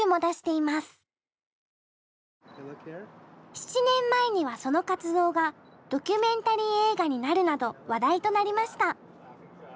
７年前にはその活動がドキュメンタリー映画になるなど話題となりました。